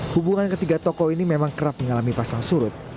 hubungan ketiga tokoh ini memang kerap mengalami pasang surut